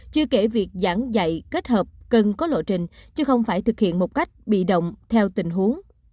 chưa kể việc giảng dạy kết hợp cần có lộ trình chứ không phải thực hiện một cách bị động theo tình huống